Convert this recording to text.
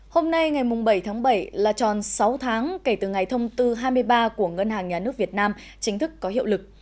hôm nay ngày bảy tháng bảy là tròn sáu tháng kể từ ngày thông tư hai mươi ba của ngân hàng nhà nước việt nam chính thức có hiệu lực